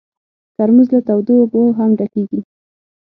ترموز له تودو اوبو هم ډکېږي.